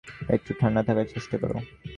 একটু ঠান্ডা থাকার চেষ্টা কর।